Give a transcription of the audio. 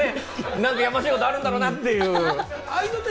何かやましいことあるんだろうなって。